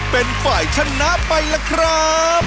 เป็นฝ่ายชนะไปล่ะครับ